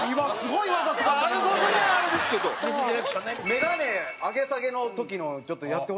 眼鏡上げ下げの時のちょっとやってほしいな。